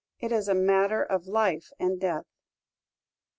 "IT IS A MATTER OF LIFE AND DEATH."